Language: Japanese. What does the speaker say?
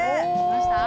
きました？